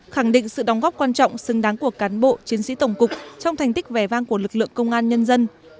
khẳng định sự đóng góp quan trọng xứng đáng của cán bộ chiến sĩ tổng cục trong thành tích vẻ vang của lực lượng công an nhân dân